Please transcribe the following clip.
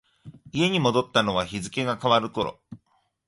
家に戻ったのは日付が変わる頃。